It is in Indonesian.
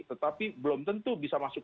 tetapi belum tentu bisa masuk